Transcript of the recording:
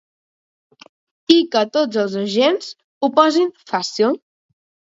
I que tots els agents ho posin fàcil.